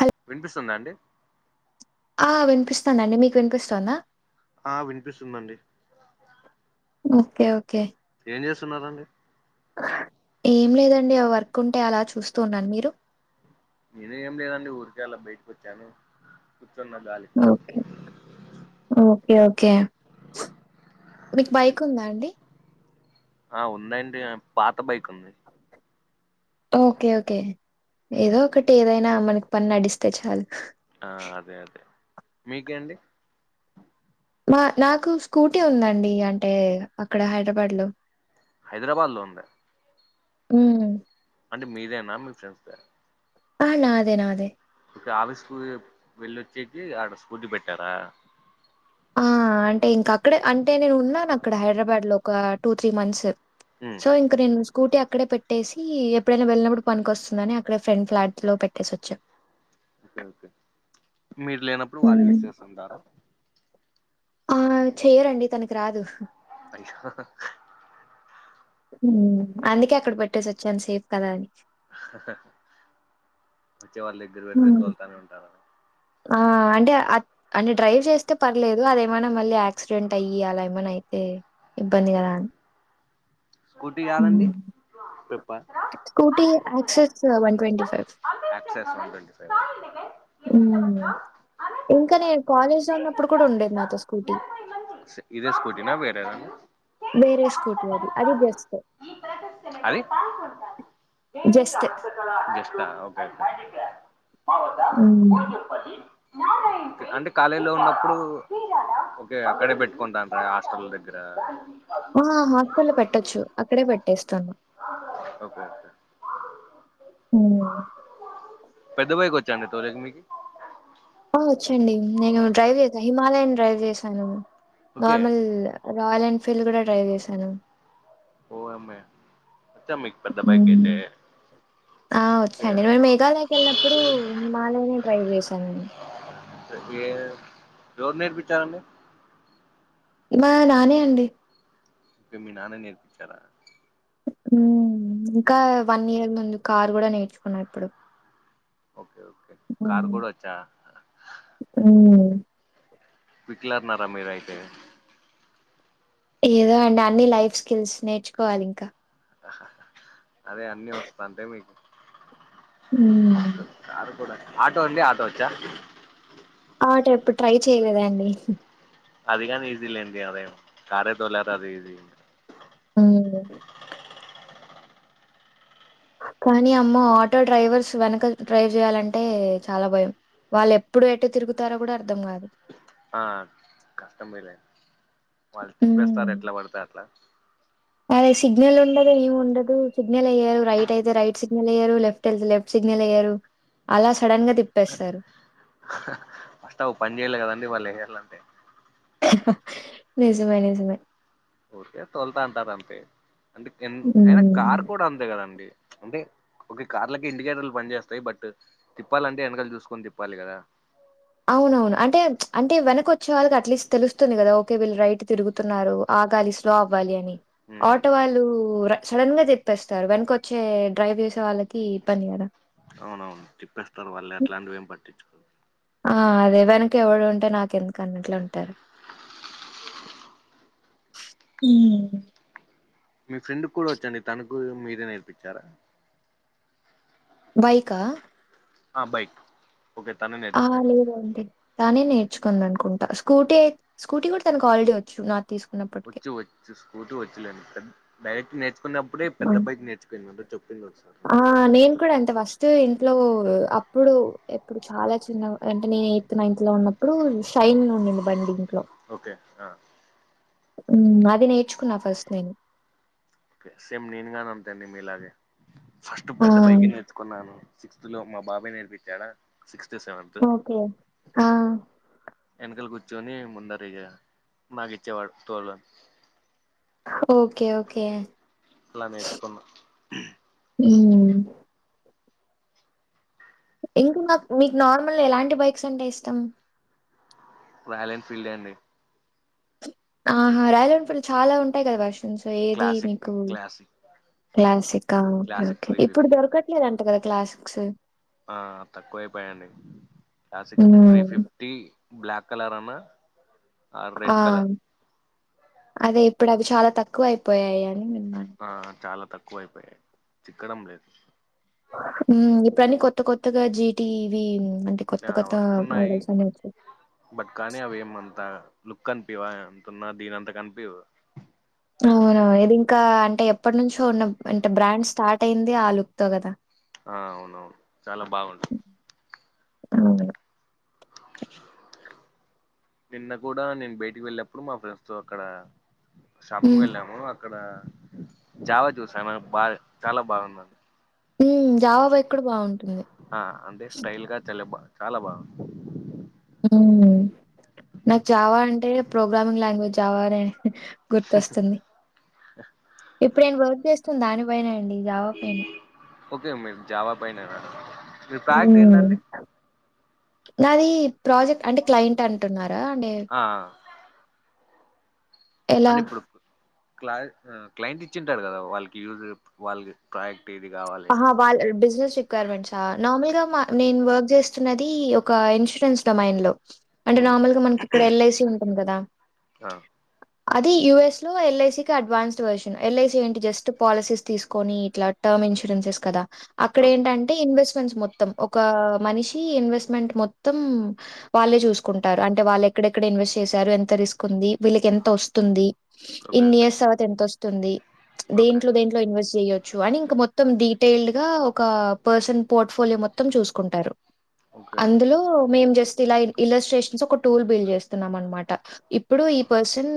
హల్ వినిపిస్తుందా అండి ఆ వినిపిస్తుంది అండి మీకు వినిపిస్తుందా ఆ వినిపిస్తుంది అండి ఓకే ఓకే ఏం చేస్తున్నారండి ఏం లేదండి వర్క్ ఉంటే అలా చూస్తూ ఉన్నాను మీరు నేను ఏం లేదండి ఊరికేళ్ళ బయటకి వచ్చాను కూర్చున్న గాలి ఓకే ఓకే ఓకే మీక్ బైక్ ఉందా అండి ఆ ఉందండి పాత బైక్ ఉంది ఓకే ఓకే ఏదో ఒకటి ఏదైనా మనకి పని నడిస్తే చాలు ఆ అదే అదే మీకేండి మా నాకు స్కూటీ ఉందండి అంటే అక్కడ హైదరాబాద్ లో హైదరాబాద్ లో ఉంద ఉ అంటే మీదేనా మీ ఫ్రెండ్స్ ద హ నాదే నాదే ఒకే ఆఫీస్ కు వెళ్ళొచ్చేకి ఆడ స్కూటీ పెట్టారా ఆ అంటే ఇంకా అక్కడే అంటే నేను ఉన్నాను అక్కడ హైదరాబాద్ లో ఒక టూ త్రీ మంత్స్ ఉ సో ఇంక నేను స్కూటీ అక్కడే పెట్టేసి ఎప్పుడైనా వెళ్ళినప్పుడు పనికొస్సుందని అక్కడ ఫ్రెండ్ ఫ్లాట్ లో పెట్టేసొచ్చ ఓకే ఓకే మీరు లేనప్పుడు వాళ్ళు హ్మ్. యూస్ చేస్తుంటారా హ చెయ్యరండి తనకి రాదు అయ్యో [unintelligible] హ్మ్ అందుకే అక్కడ పెట్టేసి వచ్చాను సేఫ్ కదా అని హ హ వచ్చే వాళ్ళ దగ్గర పెడితే హ్మ్. తోల్తానే ఉంటారనా ఆ అంటే ఆ అని డ్రైవ్ చేస్తే పర్లేదు అదేమైనా మళ్ళీ యాక్సిడెంట్ అయ్యి అలా ఏమైనా అయితే ఇబ్బంది ఓకే కదండి స్కూటీ కాదండి పప్ప స్కూటీ యాక్సెస్ ఎక్సస్ ఉంటండి [unintelligible] తాడిే [unintelligible] ఇంకా నేను కాలేజ్ లో ఉన్నప్పుడు కూడా ఉండేది నాతో స్కూటీ ఇదే స్కూటీ నా వేరేద వేరే స్కూటీ అది. అది జస్ట్. [unintelligible] ఏ మీ జస్ట్. చాల [unintelligible] మావ హ్మ్. కో చెప్పాలి [unintelligible] అంటే కాలేజీలో ఉన్నప్పుడు ఓకే అక్కడే పెట్టుకుంటాను హాస్టల్ దగ్గర [unintelligible] ఆ హాస్టల్లో పెట్టొచ్చు అక్కడే పెట్టేస్తాను ఓకే ఓకే ఉ పెద్దబైకొచ్చాండి అండి తోలేకి మీకి వచ్చండి నేను డ్రైవ్ చేసాను హిమాలయన్ డ్రైవ్ చేశాను. ఓకే నార్మల్ రాయల్ ఎన్ఫీల్డ్ కూడా డ్రైవ్ చేశాను. ఓ అమ్మె పెద్ద హ్మ్. బైకైతే ఆ వచ్చండి మేఘాలయకి వెళ్ళినప్పుడు హిమాలయనే డ్రైవ్ చేశాను నేను ఇంతకీ ఎవరు నేర్పీంచారండి మా నానే అండి ఐతే మీ నాన్న నేర్పించారా ఇంకా వన్ ఇయర్ ముందు కార్ కూడా నేర్చుకున్నా ఇప్పుడు ఓకే ఓకే కార్ కూడా వచ్చా ఉ హిట్లర్ నా మీరైతె ఏదో అండి అన్ని లైఫ్ స్కిల్స్ నేర్చుకోవాలి ఇంకా అదే అన్ని వస్తా అంటే మీకు ఉమ్ కార్ కూడా ఆటో అండి ఆటో వచ్చా ఆటో ఎప్పుడు ట్రై చేయలేదు అండి అధిగాని ఈజీ యే అండి ఆదాయం కారే తోలరు ఈజీ హ్ కానీ అమ్మ ఆటో డ్రైవర్స్ వెనకాల డ్రైవ్ చేయాలంటే చాలా భయం వాళ్ళు ఎప్పుడు ఎటు తిరుగుతారో కూడా అర్థం కాదు ఆ కష్టం మేలే వాళ్ళు తిప్పేస్తారు. హ్మ్. ఎట్లా పడీతే అట్లా అదే సిగ్నల్ ఉండదు. ఏమి ఉండదు సిగ్నల్ ఏయ్యారు రైట్ అయితే రైట్ సిగ్నల్ వేయ్యారు లెఫ్ట్ తెలుసు లెఫ్ట్ సిగ్నల్ ఏయ్యారు అలా సడన్ గా తిప్ప అస్త పని చేయలే గదండి వాళ్ళు పని లేకలీ అంటే నిజమే నిజమే ఓకే తొల్తరు అంటారు. అంతే అంటే ఎమయిన హ్మ్. కార్ కూడా అంతే కాదా అండి అంటే కొన్ని కార్లకి ఇండికేటర్లు పని చేస్తాయి అంతే తిప్పాలంటే వెనకల చూసుకొని తిప్పాలి కదా అవునవును అంటే అంటే వెనక వచ్చే వాళ్ళకి అట్లీస్ట్ తెలుస్తుంది. కదా ఓకే వీళ్ళు రైట్ తిరుగు తున్నారు ఆగాలి స్లో అవ్వాలి అని ఉమ్, ఆటో వాళ్ళు సడన్ గా తీప్పేస్తారు వెనక వచ్చే వాళ్ళు డ్రైవ్ చేసే వాళ్ళకి ఇబ్బంది కదా అవునవును తిప్పేస్తారు వాళ్ళు ఎట్లాంటివి ఏం పట్టించుకోరు ఆ అదే ఎవనికి ఎవడు ఉంటే నాకు ఎందుకు అన్నట్లు ఉంటారు మ్ మీ ఫ్రెండ్ కూడా వచ్చు అండి తనకు మీరే నేర్పించారా బైకా ఆ బైక్ ఓకే తనా నే ఆ లేదండి తానే నేర్చుకుంది అనుకుంటా స్కూటీ స్కూటీ కూడా తన అర్ రెడి వచ్చు నాదితీసుకు వ చ్చు వచ్చుస్కూటీ వచ్చు లె అండి కాని డైరెక్ట్ నేర్చు కున్నప్పుడే పెద్ద హ్మ్. బైకు నేర్చుకు వుంది చెప్పింది నాకు ఆ! ఒకసారి నేను కూడా అంతే వస్ తూ ఇంట్లో అప్పుడు ఎప్పుడు చాలా చిన్న అంటే నేను ఎయిత్ లో నైన్త్ లో ఉన్న ప్పుడు షైన్ ఉన్నింది బండి ఇంట్లో ఓకే ఆ ఉమ్ అది నేర్చుకున్నా ఫస్ట్ నేను సేమ్ నేను గానీ అంతే అండి మీ లాగే ఫస్ట్ ఆ! పెద్ద బైకే నేర్చు కన్నాను సిక్స్త్ లో మా బాబాయి నేర్పిచ్చాడా సిక్స్త్ సెవెన్త్ ఓకే. ఆ! ఎనకాల కూర్చోని ముందర ఇగ నాకు ఇచ్చేవాడు తోలుడ ఓకే ఓకే అలా నేర్చుకున్నా ఉమ్ [unintelligible] మీకు నార్మల్ ఎలాంటి బైక్స్ అంటే ఇష్టం రాయల్ ఎన్ఫీల్డ్ అండి ఆహా రాయల్ ఎన్ఫీల్డ్ చాలా ఉంటాయి కదా వర్ష్ కొంచెం ఏది క్లాసిక్ మీకు క్లాసిక్ క్లాసిక్ ఆ ఓకే క్లాసిక్ ఓకే త్రీ ఇప్పుడు ఫిఫ్టీ దొరక ట్లేదంట కదా క్లాస్సిక్సు ఆ తక్కువ అపోయాయి అండి క్లిసిక్ త్రీ హ్మ్. ఫిఫ్టీ బ్లాక్ కలర్ అన్నా ఆం అదే ఇప్పుడు అవి చాలా తక్కువ అయిపోయాయి అని విన్నాను ఆ చాలా తక్కువ అయిపోయాయి చిక్కడం లేదు ఉమ్ ఇప్పుడు అన్నీ కొత్త కొత్తగా జీ టి ఇవి అంటే కొత్త ఆ కొత్తగా వస్తున్నాయి మోడల్స్ అన్నీ వచ్చాయి బట్ కానీ అవి ఏం అంత లుక్ అనిపియ్యవా ఎంతన్నా దీని అంత కనిపీవు అవునవు ఇది ఇంకా అంటే ఎప్పటి నుంచో ఉన్న అంటే బ్రాండ్ స్టార్ట్ అయ్యిందే ఆ లుక్ తో కదా ఆ అవునవును చాలా బాగుంటు [inaudible] నిన్న కూడా నేను బయటికి వెళ్ళినప్పుడు మా ఫ్రెండ్స్ తో అక్కడ షాపింగ్ హ్మ్. వెళ్ళాము అ అక్కడ జావా చూసాను బాగా చాలా బాగుందం జాబ్ ఎక్కడ బావుంటుంది ఆ అంటే స్టైల్ గా చాలా బా చాలా బా [inaudible] ఊ నాకు జావా అంటే ప్రోగ్రామింగ్ లాంగ్వేజ్ జావానే గుర్తొస్తుంది ఇప్పుడేను వర్క్ చేస్తుంది దానిపైనే అండి జావా పైనే. ఓకే మీరు జవా పైనే నా ఊ నాది ప్రాజె అంటే క్లయింట్ అంటున్నారా అండే ఆ అంటే ఇప్పుడు క్లై ఆ క్లైంట్ ఇచ్చిండు కదా వాళ్ళకి యూజు వాళ్ళది ప్రయాక్టీ ఇది కావాలి అని ఆహా! వాళ్ళ బిజినెస్ రిక్వైర్మెంట్సా నార్మల్ గా మా నేను వర్క్ చేస్తున్నది ఒక ఇన్షూరెన్స్ డొమైన్ లో అంటే హ్మ్ నార్మల్ గా మనకి ఇక్కడ ఎల్ ఐ సి ఉంటుంది కదా ఆ అది యూ ఎస్ లో ఎల్ ఐ సి కి advanced version L I C ఏంటి జస్ట్ పాలసీస్ తీసుకొని ఇట్లా టర్మ్ ఇన్షూ రెన్సెస్ కదా అక్కడ ఓకే ఏంటం టే ఇన్వెస్ట్మెంట్స్ మొత్తం ఒక మనిషి ఇన్వెస్ట్మెంట్ మొత్తం వాళ్ళే చూసుకుంటారు అంటే వాళ్ళు ఎక్కడెక్కడ ఇన్వెస్ట్ చేశారు ఎంత రిస్క్ ఉంది వీళ్ళకి ఎంత వస్తుంది ఓకే ఇన్ని ఓకే ఇయర్స్ తరువాత ఎంత వస్తుంది ఓకే దేంట్లో దేన్ ట్లో ఇన్వస్ట్ చేయొచ్చు అని ఇంక మొ త్తం డీటెయిల్డ్ గా ఒక పర్సన్ పోర్ట్ఫోలియో మొత్తం చూసుకుంటారు ఓకే ఓకే అందులో మేం జస్ట్ ఇలా ఇన్ ఇలస్ట్రేషన్స్ ఒక టూల్ బిల్ చేస్తున్నాం అనమాట ఇప్పుడు ఈ పర్సన్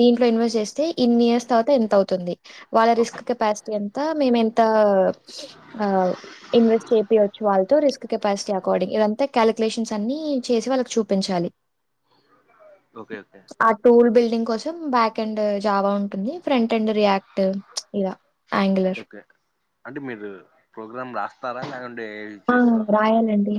దీంట్లో ఇన్వెస్ట్ చేస్తే ఇన్ ఇయర్స్ తవాత ఎంత అవుతుంది వాళ్ళ ఓకే రిస్క్ కెపాసిటీ ఎంత మేమెం త అ ఇన్వెస్ట్ చేపియవచ్చు వాళ్ళతో రిస్క్ కెపాసిటీ అకార్డింగ్ ఇదంతా కాలిక్యలేషన్స్ అన్ని చేసి వాళ్ళకి చూపించాలి. ఓకే ఓకే ఆ టూల్ బిల్డింగ్ కోసం బ్యాక్ అండ్ జావా ఉంటుంది ఫ్రంట్ అండ్ రియాక్ట్ చ్ ఇగ ఓకే అంటే మీరు ప్రోగ్రామ్ రాస్తారా లేకుంటే ఆ చేసి రాస్తారా రాయానండి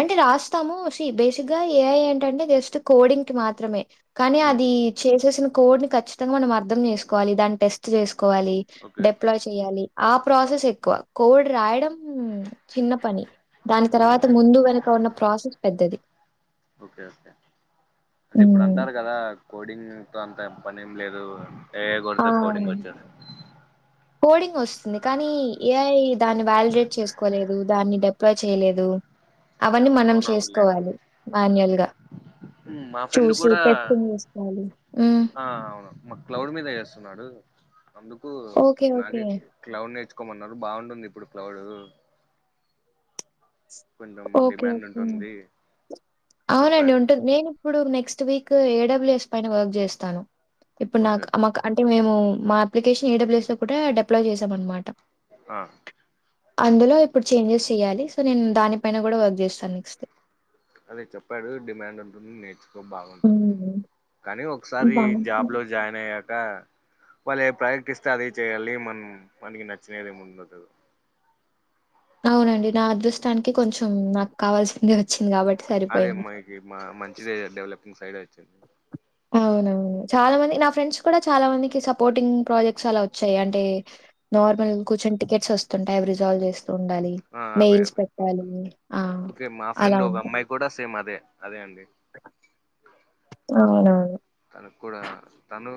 అంటే రాస్తాము సి బేసిక్ గా ఏఐ ఏంటంటే జస్ట్ కోడింగ్ కి మాత్రమే. కానీ ఉమ్ అది చేసేసిన కోడ్ ని ఖచ్చితంగా మనం అర్ధం చేసుకోవాలి దాని టెస్ట్ చేసుకోవాలి. ఓకే ఓకే డెప్లాయ్ చెయాలి ఆ ప్రాసెస్ ఎక్కువ కోడు రాయడం చిన్న పని దాని ఉమ్ తర్వాత ముందు వెనుక ఉన్న ప్రాసెస్ పెద్దది. ఓకే ఓకే అంటే ఇప్పుడు హ్మ్. అంటారు కదా కోడింగ్తో అంత పని ఏం లేదు. ఏఐ ఆ! కొడుత కోడింగ్ వచ్చా కోడింగ్ వస్తుంది కానీ ఏఐ దాన్ని వ్యాలిడేట్ చేసుకోలేదు, దాన్ని డెప్లో చేయలేదు. ఓకే అవన్నీ అవును మనం అవును అవునులేండి చేస్కోవాలి మాన్యువల్ గా ఉమ్, మా ఫ్రెండ్ కూడా చూసేటట్టు చేస్తాలు ఉమ్ ఆ అవును మా క్లౌడ్ మీద ఏస్తున్నాడు అందుకు ఓకే. ఓకే. నాకే క్లౌడ్ నేర్చుకోమన్నారు బావుంటుంది ఇప్పుడు క్లౌడ్ కొంచెం ఒకే డిమాండ్ ఒకే ఉంటుంది అవునండి చెప్పాడు ఉంటుంది నేను ఇప్పుడు నెక్స్ట్ వీక్ ఏడబ్ల్యూ ఎస్ పైన వర్క్ చేస్తాను ఇప్పుడు నాకు ఓకే అమక అంటే మేము మా అప్లికేషన్ ఏడబ్ల్యూస్ తో కూడా డిప్లో చేసాం అనమాట. ఆ అందులో ఇప్పుడు చేంజెస్ చెయ్యాలి సో నేను దానిపైన కూడా వర్క్ చేస్తాను నెక్స్ట్ అదే చెప్పాడు డిమాండ్ ఉంటుంది నేర్చు హాప్ బావుంటుంది హ్మ్. కానీ ఒకసారి జాబ్ బావుంది. లో జాయిన్ అయ్యాక వాళ్ళు ఏ ప్రయక్టిస్తే అదే చెయాలి మనం మనకి నచ్చినది ముందుదు అవునండి నా అదృష్టానికి కొంచెం నాకు కావాల్సింది వచ్చింది కాబట్టి సరిపోయింది. ఇ మా మంచిది డెవలపింగ్ సైడ్ వచ్చింది. అవునవును చాలా మంది నా ఫ్రెండ్స్ కూడా చాలా మందికి సపోర్టింగ్ ప్రాజెక్ట్స్ అలా వచ్చాయి అంటే నార్మల్ కూంచెం టికెట్స్ వస్తుంటాయి అవి రిజాల్వ్ చేస్తూ ఉండాలి. ఆ అదే మెయిల్స్ అదే పెట్టాలి ఆ ఓకే మా అలా ఫ్రెండ్ ఒక ఉంటాయి అమ్మాయి కూడా సేమ్ అదే అదే అండి అవునవును తనకు కూడా తను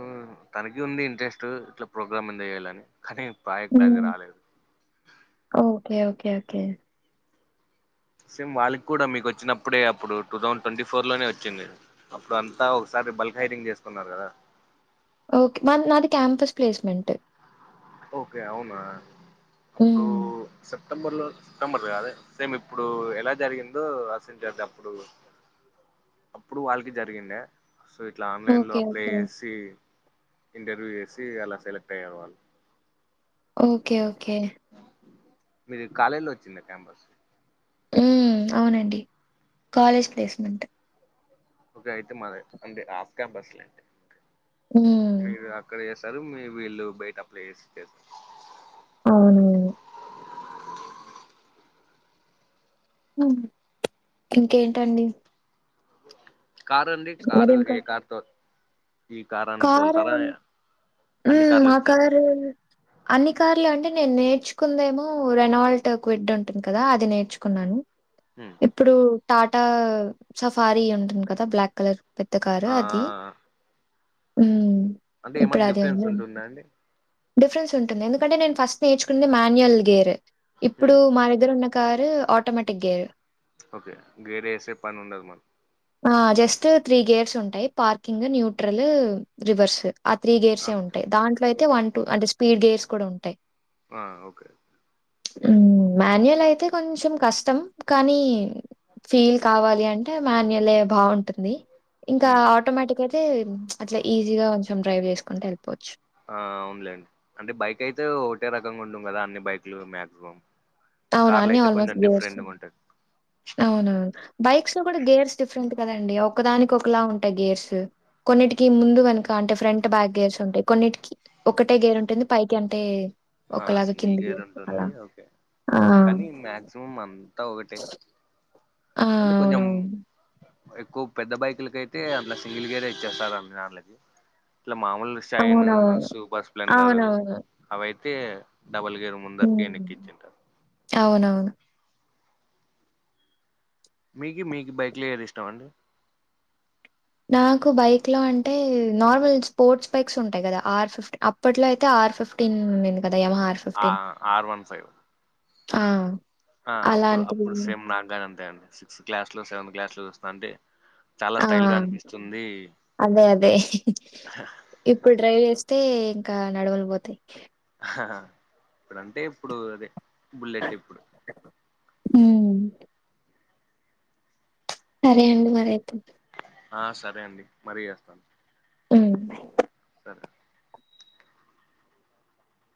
తనకి ఉంది ఇంట్రెస్ట్ ఇట్లా ప్రోగ్రాంలు చేయాలని కానీ ప్రాజెక్ట్ అది హ్మ్. రాలేదు ఓకే ఓకే ఓకే సేమ్ వాళ్ళకి కూడా మీకు వచ్చినప్పుడే అప్పుడు టూ థౌసండ్ ట్వంటీ ఫోర్ లోనే వచ్చింది. అప్పుడు అంతా ఒకసారి బల్క్ హైడింగ్ చేసుకున్నారు కదా ఒకే మామ్ నాది క్యాంపస్ ప్లేస్మెంట్ ఓకే అవునా అప్పుడు హ్మ్. సెప్టెంబర్ లో నెమ్మది గాలే సేమ్ ఇప్పుడు ఎలా జరిగిందో అస చేది అప్పుడు అప్పుడు వాళ్ళకి జరిగింద సో ఇట్లా ఆన్లైన్ లో ఓకే. Apply okay. చేసి ఇంటర్వ్యూ చేసి అలా సెలెక్ట్ అయ్యే వాళ్ళు. ఓకే ఓకే మీరు కాలేజీ లో వచ్చిందా క్యాంపస్ ఉమ్ అవునండి కాలేజ్ ప్లేస్మెంట్ ఓకే అయితే మాది అంటే ఆఫ్ క్యాంపస్ లేండి ఉమ్ మీరు అక్కడ చేస్తారు మీ వీళ్ళు బయట అప్లై చేసి చేస్తారు అవునవును ఉమ్ ఇంకేంటండి కార్ అండి కారు మరింకా ఏ కార్ తో ఈ కారు ఉమ్ అన్ని కార్లు మా వచ్చా కారు అన్ని కార్లు అంటే నేను నేర్చుకుందేమో రెనాల్ట్ క్విడ్ ఉంటుంది కదా అది నేర్చుకున్నాను హ ఇప్పుడు టాటా సఫారీ ఉంటుంది కదా బ్లాక్ కలర్ పెద్ద కారు ఆ అది ఉ అంటే ఇప్పుడు ఏమన్నా అదే డిఫరెన్స్ ఉంది ఉంటుందా అండి డిఫరెన్స్ ఉంటుంది ఎందుకంటే నేను ఫస్ట్ నేర్చుకుంది మాన్యువల్ గేర్ ఇప్పుడు ఉమ్. మా దగ్గర ఉన్న car automatic gear okay gear వేసే పని ఉండదు మన ఆ జస్ట్ త్రీ గేర్స్ ఉంటాయి పార్కింగ్ న్యూట్రల్ రివర్స్ ఆ త్రీ గేర్స్ అంతే ఉంటాయి దాంట్లో అయితే ఓకే వన్ టూ అంటే స్పీడ్ గేర్స్ కూడా ఉంటాయి ఓకే ఉ మాన్యువల్ అయితే కొంచెం కష్టం కానీ ఫీల్ కావాలి అంటే మాన్యువలే బాగుంటుంది ఇంకా ఉమ్ ఆటోమేటిక్ కైతే అట్లా ఈజీగా కొంచెం డ్రైవ్ చేస్కుంట ఎల్పోవచ్చు ఆ అవునులేండి అంటే బైక్ అయితే ఒకటే రకంగా ఉంటం కదా అన్ని బైక్లు మాక్సిమం అవును. కార్లు అన్నీ అయితే కొంచె ఆల్‌మోస్ట్ గేర్స్. డిఫరెంట్ గా ఉంటుంది అవునవును బైక్స్ లో కూడా గేర్స్ డిఫరెంట్ కదండి ఒకదానికి ఒకలా ఉంటాయి గేర్స్ కొన్నిటికి ముందు వెనుక అంటే ఫ్రంట్ బ్యాక్ గేర్స్ ఉంటాయి కొన్నిటికి ఒక్కటే గేరుంటుంది పైకి అంటే ఆ ఒకలాగా సింగిల్ కిందికి గేర్ ఉంటుంది అలా ఓకే ఆ కానీ అంతా ఒకటే ఆ! అంటే కొంచం అవునవును. ఎక్కువ పెద్ద బైకులక అయితే అట్లా సింగిల్ గేర్ ఇచ్చేస్తారు అన్నిదాన్లకి ఇట్లా మామూలు చైను అవునవును. సూపర్ స్ప్లెండర్ అవునవును. అవైతే డబల్ గేరు ముందరికి హ్మ్. వెనక్కిచ్చింటారు అవునవును మీకి మీకి బైక్లు ఏది ఇష్టం అండి నాకు బైక్ లో అంటే నార్మల్ స్పోర్ట్స్ బైక్స్ ఉంటాయి కదా ఆర్ ఫిఫ్టీన్ అప్పట్లో అయితే ఆర్ ఫిఫ్టీన్ ఉంది కదా యమహార్ ఆ ఆర్ వన్ ఫైవ్ ఆ ఆ అప్పుడు అలాంటివి అప్పుడు సేమ్ నాకుగాని అంతే అండి సిక్స్త్ క్లాస్ లో సెవెంత్ క్లాస్ లో చూస్తా అంటే చాలా ఆ స్టైల్గా అనిపిస్తుంది అదే అదే ఇప్పుడు డ్రైవ్ చేస్తే ఇంకా నడమలు పోతాయి ఇప్పుడ అంటే ఇప్పుడు అదే బుల్లెట్ ఇప్పుడు ఉమ్ సరే అండి మరి అయితే ఆ సరే అండి మరీ చేస్తాను ఉమ్ సరే